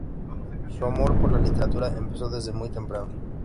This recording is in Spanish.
Su amor por la literatura empezó desde muy temprano.